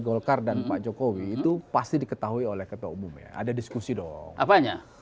golkar dan pak jokowi itu pasti diketahui oleh ketua umum ya ada diskusi dong apanya